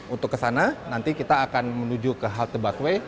untuk ke sana nanti kita akan menuju ke halte busway